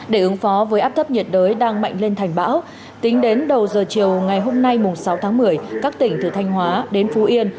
để ứng phó với áp thấp nhiệt đới đang mạnh lên thành bão tính đến đầu giờ chiều ngày hôm nay sáu tháng một mươi các tỉnh từ thanh hóa đến phú yên